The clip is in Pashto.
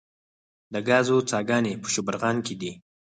د ګازو څاګانې په شبرغان کې دي